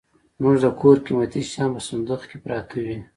زموږ د کور قيمتي شيان په صندوخ کي پراته وي.